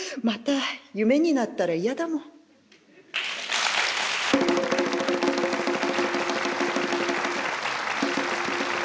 また夢になったら嫌だもん」。